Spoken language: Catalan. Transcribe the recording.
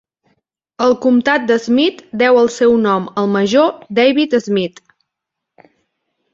El comtat d'Smith deu el seu nom al major David Smith.